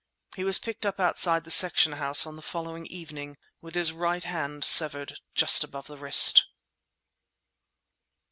He was picked up outside the section house on the following evening with his right hand severed just above the wrist.